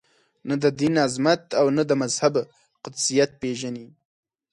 نه د دین عظمت او نه د مذهب قدسیت پېژني.